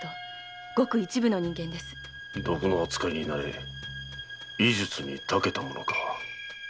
毒の扱いに慣れ医術に長けた者か。